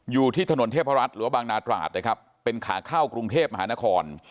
อยู่ที่ถนนเทพรัฐหรือว่าบางนาตราดนะครับเป็นขาเข้ากรุงเทพมหานคร